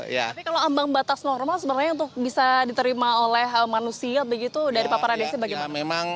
tapi kalau ambang batas normal sebenarnya untuk bisa diterima oleh manusia begitu dari paparan desi bagaimana